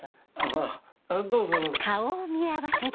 ああどうぞどうぞ。